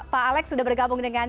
pak alex sudah bergabung dengan